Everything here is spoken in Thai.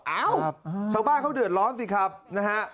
เอ้าชาวบ้านเขาเดือดร้อนสิครับนะฮะ